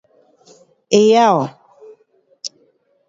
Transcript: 回家